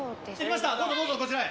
どうぞどうぞこちらへ。